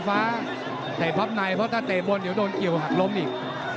ฟ้าเตะพับในเพราะถ้าเตะบนเดี๋ยวโดนเกี่ยวหักล้มอีก